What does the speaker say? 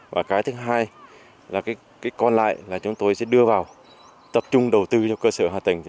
và cái thứ hai là còn lại là chúng tôi sẽ đưa vào tập trung đầu tư cho cơ sở hạ tầng